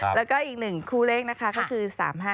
แล้วก็อีกหนึ่งคู่เลขนะคะก็คือ๓๕๕๓